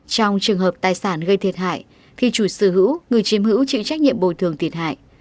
trong trường hợp tài sản gây thiệt hại thì chủ sở hữu người chiếm hữu chịu trách nhiệm bồi thường thiệt hại